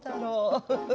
ウフフフ！